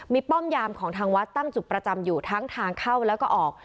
มีป้อมยามของทางวัดตั้งจุดประจำอยู่ทั้งทางเข้าแล้วก็ออก